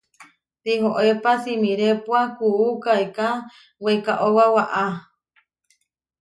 Tihoépa simirépua kuú kaiká weikaóba waʼá.